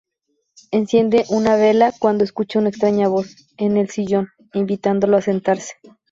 Enciende una vela cuando escucha una extraña voz... es el sillón, invitándolo a sentarse.